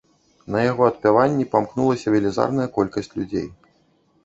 На яго адпяванні памкнулася велізарная колькасць людзей.